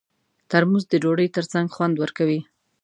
ترموز د ډوډۍ ترڅنګ خوند ورکوي.